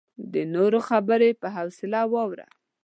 د نورو خبرې په حوصله واوره.